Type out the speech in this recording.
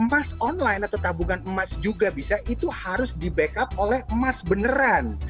emas online atau tabungan emas juga bisa itu harus di backup oleh emas beneran